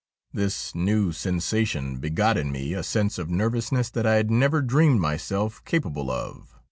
This new sensation begot in me a sense of nervousness that I had never dreamed myself capable of.